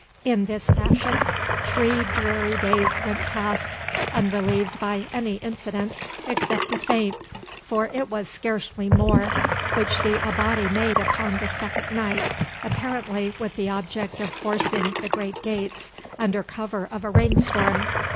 In this fashion three dreary days went past, unrelieved by any incident except a feint, for it was scarcely more, which the Abati made upon the second night, apparently with the object of forcing the great gates under cover of a rainstorm.